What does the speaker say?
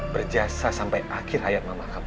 berjasa sampai akhir hayat mama kamu